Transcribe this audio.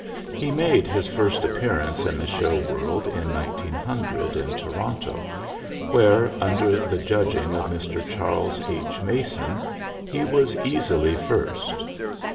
He made his first appearance in the show world in 1900 in Toronto, where, under the judging of Mr. Charles H. Mason, he was easily first.